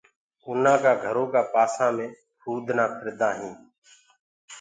اُرآ ڪآ گھرو ڪآ پآسآ مي ڀمڀڻونٚ ڦرديونٚ هينٚ۔